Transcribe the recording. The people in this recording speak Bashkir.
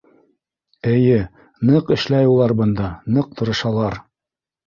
Эйе, ныҡ эшләй улар бында, ныҡ тырышалар.